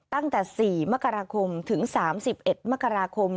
ตั้งแต่๔มกราคมถึง๓๑มกราคม